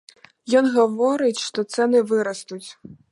Ён гаворыць, што цэны вырастуць.